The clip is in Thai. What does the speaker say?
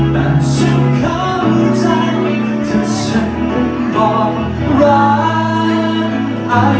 แต่ฉันเข้าใจถ้าฉันบอกร้าย